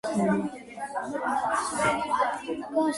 საუბარია სხვა ნუტრიენტებზე, ქიმიკატებზე, თუ ფიზიოლოგიურ მონაცემებზე.